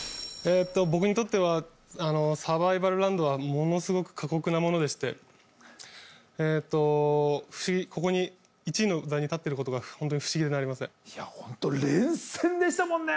僕にとってはサバイバルラウンドはものすごく過酷なものでしてここに１位の座に立ってることが本当に不思議でなりませんいや本当連戦でしたもんね